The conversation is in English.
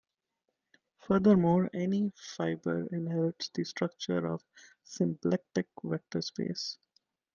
Furthermore, any fibre inherits the structure of a symplectic vector space.